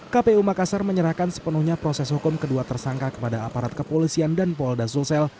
kpu makassar menyerahkan sepenuhnya proses hukum kedua tersangka kepada aparat kepolisian dan polda sulsel